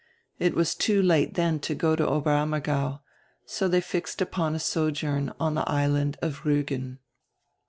It was too late then to go to Oberam mergau, so they fixed upon a sojourn on die island of Riigen.